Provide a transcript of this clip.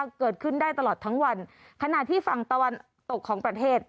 รหัวถับเกิดขึ้นได้ทั้งวันขณะที่ฝังตะวันตกของประเทศ